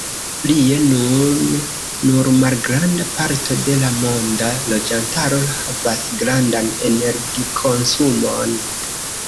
Plie, nun nur malgranda parto de la monda loĝantaro havas grandan energikonsumon.